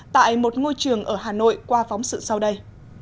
tại một ngôi trường ở hà nội qua phóng sự sau đây